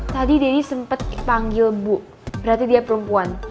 tadi daddy sempet panggil bu berarti dia perempuan